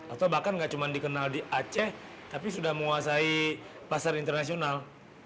atau bahkan nggak cuma dikenal di aceh tapi sudah menguasai pasar internasional